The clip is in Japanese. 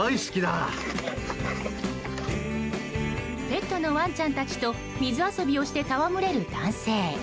ペットのワンちゃんたちと水遊びをして戯れる男性。